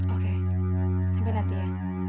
oke sampai nanti ya